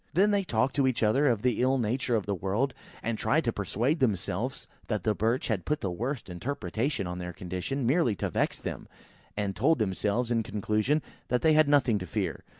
Then they talked to each other of the ill nature of the world, and tried to persuade themselves that the Birch had put the worst interpretation on their condition, merely to vex them; and told themselves, in conclusion, that they had nothing to fear.